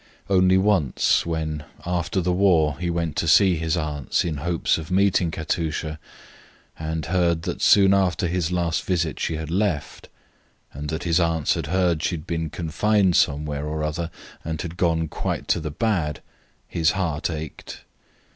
Once only, when, after the war, he went to see his aunts in hopes of meeting Katusha, and heard that soon after his last visit she had left, and that his aunts had heard she had been confined somewhere or other and had gone quite to the bad, his heart ached.